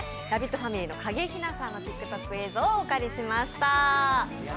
ファミリーの景井ひなさんのＴｉｋＴｏｋ映像をお借りしました。